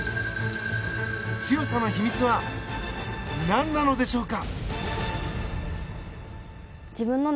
強さの秘密は何なのでしょうか。